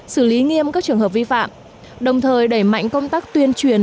xử lý nghiêm các trường hợp vi phạm đồng thời đẩy mạnh công tác tuyên truyền